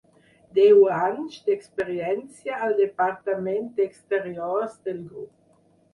Deu anys d'experiència al departament d'exteriors del grup.